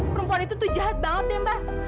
perempuan itu tuh jahat banget deh mbak